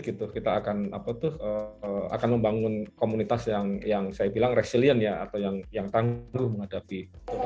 kita akan membangun komunitas yang saya bilang resilient ya atau yang tangguh menghadapi